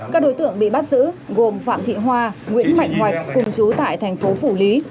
các đối tượng bị bắt giữ gồm phạm thị hoa nguyễn mạnh cùng chú tại thành phố phủ lý